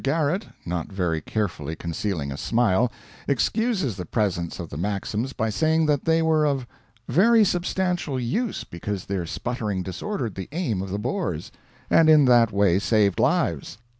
Garrett not very carefully concealing a smile excuses the presence of the Maxims by saying that they were of very substantial use because their sputtering disordered the aim of the Boers, and in that way saved lives.